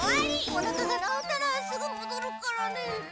おなかがなおったらすぐもどるからね。